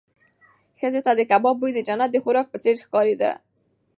ښځې ته د کباب بوی د جنت د خوراک په څېر ښکارېده.